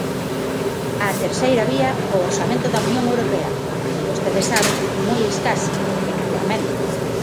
A terceira vía, o orzamento da Unión Europea, como vostedes saben, moi escasa, efectivamente.